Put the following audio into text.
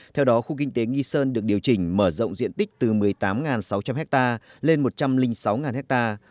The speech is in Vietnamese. theo đó khu kinh tế nghi sơn được điều chỉnh mở rộng diện tích từ một mươi tám sáu trăm linh hectare lên một trăm linh sáu ha